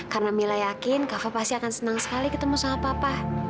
karena mila yakin kava pasti akan senang sekali ketemu sama papa